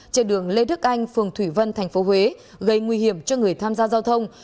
trên đường lê đức anh phường thủy vân tp huế gây nguy hiểm cho người tham gia giao thông